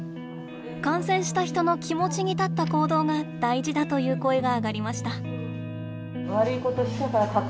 感染した人の気持ちに立った行動が大事だという声が上がりました。